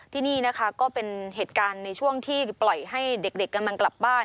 ที่นี่นะคะก็เป็นเหตุการณ์ในช่วงที่ปล่อยให้เด็กกำลังกลับบ้าน